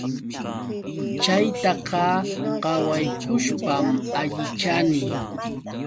Chaytaqa qawaykushpam allichani.